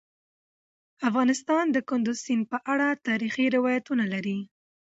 افغانستان د کندز سیند په اړه تاریخي روایتونه لري.